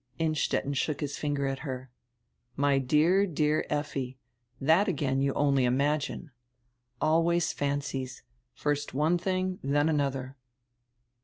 Innstetten shook his finger at her. "My dear, dear Effi, tiiat again you only imagine. Always fancies, first one tiling, then another."